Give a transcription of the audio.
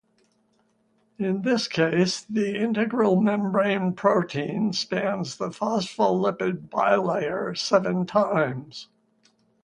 In this case the integral membrane protein spans the phospholipid bilayer seven times.